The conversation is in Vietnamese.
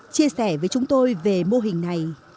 chia sẻ với chúng tôi về mô hình này